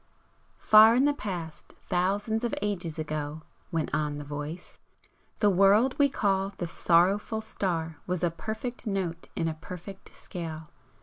"Far in the Past, thousands of ages ago," went on the Voice "the world we call the Sorrowful Star was a perfect note in a perfect scale.